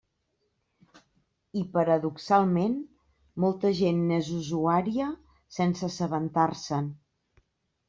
I, paradoxalment, molta gent n'és usuària sense assabentar-se'n.